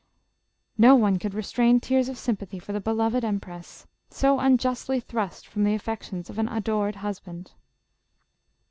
No one could restrain tears of sympathy for the beloved empress, so unjustly thrust from the affections of an adored husband.